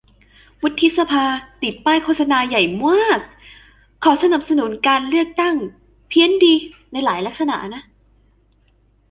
วุฒิสภา ติดป้ายโฆษณาใหญ่มวาก "ขอสนับสนุนการเลือกตั้ง" เพี้ยนดี ในหลายลักษณะ